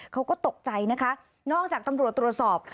เขาก็ตกใจนะคะนอกจากตำรวจตรวจสอบ